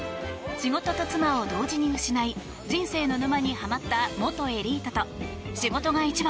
仕事と妻を同時に失い人生の沼にハマった元エリートと仕事が一番！